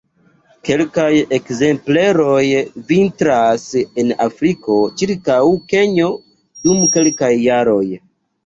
Kelkaj ekzempleroj vintras en Afriko ĉirkaŭ Kenjo dum kelkaj jaroj.